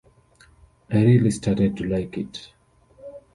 I really started to like it.